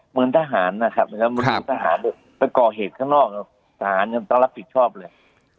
เหมือนทหารนะครับไปก่อเหตุข้างนอกทหารก็ต้องรับผิดชอบเลย